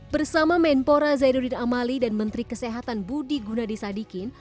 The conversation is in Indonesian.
bersama menpora zainuddin amali dan menteri kesehatan budi gunadisadikin